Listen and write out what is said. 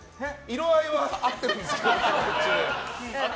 色合いは合ってるんですけど。